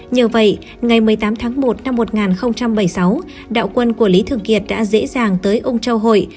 nhờ vậy ngày một mươi tám tháng một năm một nghìn bảy mươi sáu đạo quân của lý thường kiệt đã dễ dàng tới ông châu hội